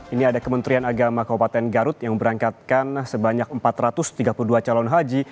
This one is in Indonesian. ini ada kementerian agama kabupaten garut yang berangkatkan sebanyak empat ratus tiga puluh dua calon haji